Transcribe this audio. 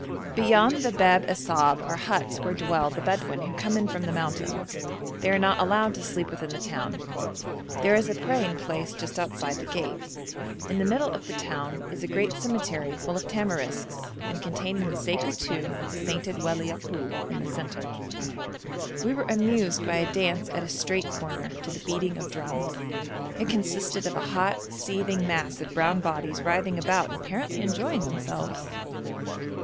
Beyond the Bab Assab are huts where dwell the Bedouin who come from the mountains. They are not allowed to sleep within the town. There is a praying place just outside the gate. In the middle of the town is a great cemetery full of tamarisks, and containing the sacred tomb of the sainted Wali Yakoub in the centre. We were amused by a dance at a street corner to the beating of drums. It consisted of a hot, seething mass of brown bodies writhing about and apparently enjoying themselves.